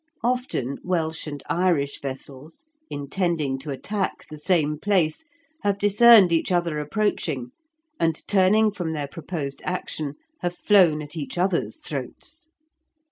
Often Welsh and Irish vessels, intending to attack the same place, have discerned each other approaching, and, turning from their proposed action, have flown at each other's throats.